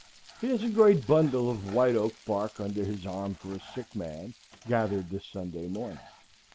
He has a great bundle of white oak bark under his arm for a sick man, gathered this Sunday morning.